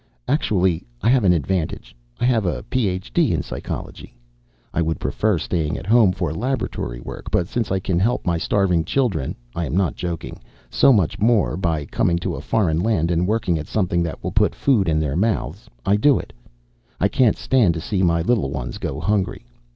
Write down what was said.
"Actually, I have an advantage. I have a Ph.D. in psychology. I would prefer staying at home for laboratory work, but since I can help my starving children I am not joking so much more by coming to a foreign land and working at something that will put food in their mouths, I do it. I can't stand to see my little ones go hungry.